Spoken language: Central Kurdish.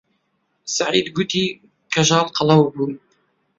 سەعید گوتی کەژاڵ قەڵەو بوو.